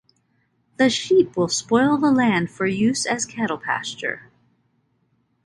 The sheep will spoil the land for use as cattle pasture.